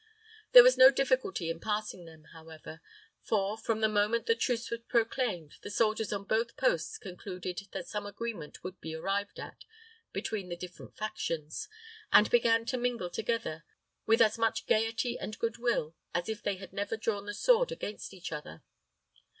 There was no difficulty in passing them, however; for, from the moment the truce was proclaimed, the soldiers on both posts concluded that some agreement would be arrived at between the different factions, and began to mingle together with as much gayety and good will as if they had never drawn the sword against each other.